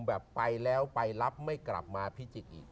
แบบไปแล้วไปรับไม่กลับมาพิจิกอีก